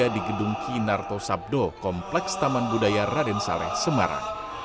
di gedung kinarto sabdo kompleks taman budaya raden saleh semarang